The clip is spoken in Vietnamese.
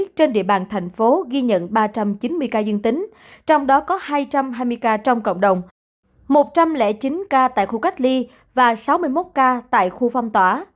trong đó có hai trăm hai mươi ca trong cộng đồng một trăm linh chín ca tại khu cách ly và sáu mươi một ca tại khu phong tỏa